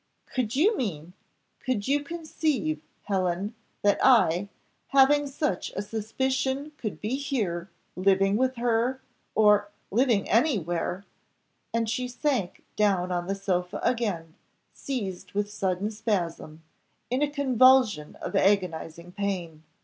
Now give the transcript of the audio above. Could you mean could you conceive, Helen, that I, having such a suspicion could be here living with her or living anywhere " And she sank down on the sofa again, seized with sudden spasm in a convulsion of agonising pain.